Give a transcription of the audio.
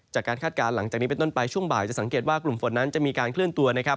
คาดการณ์หลังจากนี้เป็นต้นไปช่วงบ่ายจะสังเกตว่ากลุ่มฝนนั้นจะมีการเคลื่อนตัวนะครับ